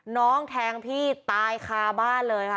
น้องแทงพี่ตายคาบ้านเลยค่ะ